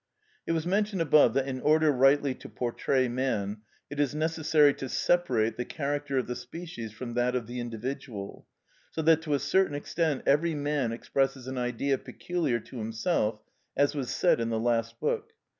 It was mentioned above that in order rightly to portray man, it is necessary to separate the character of the species from that of the individual, so that to a certain extent every man expresses an Idea peculiar to himself, as was said in the last book.